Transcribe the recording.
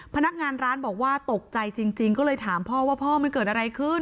พนักงานร้านบอกว่าตกใจจริงก็เลยถามพ่อว่าพ่อมันเกิดอะไรขึ้น